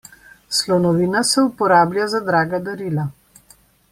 Slonovina se uporablja za draga darila.